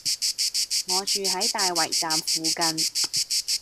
我住喺大圍站附近